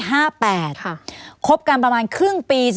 คบกันประมาณครึ่งปี